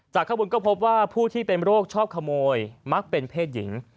ข้างบนก็พบว่าผู้ที่เป็นโรคชอบขโมยมักเป็นเพศหญิง